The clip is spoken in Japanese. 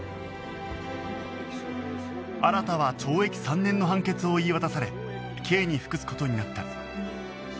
新は懲役３年の判決を言い渡され刑に服す事になった